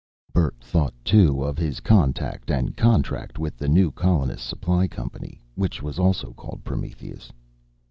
Bert thought, too, of his contact and contract with the new colonists' supply company, which was also called Prometheus.